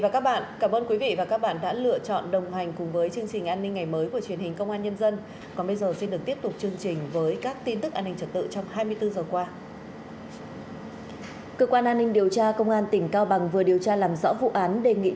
các bạn hãy đăng ký kênh để ủng hộ kênh của chúng mình nhé